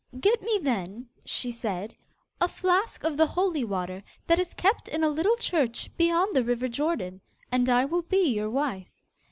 'Get me, then,' she said, 'a flask of the holy water that is kept in a little church beyond the river Jordan, and I will be your wife.